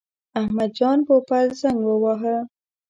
احمد جان پوپل زنګ وواهه.